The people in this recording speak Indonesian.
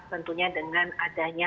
tentunya dengan adanya